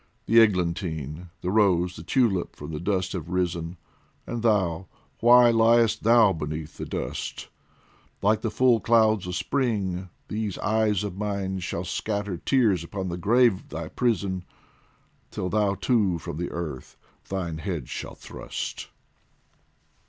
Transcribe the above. the eglantine, The rose, the tulip from the dust have risen And thou, why liest thou beneath the dust ? Like the full clouds of Spring, these eyes of mine Shall scatter tears upon the grave thy prison, Till thou too from the earth thine head shalt thrust.